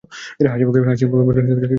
হাসিমুখে বললেন, কিসের ছবি আঁকছ?